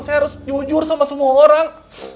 saya harus jujur sama semua orang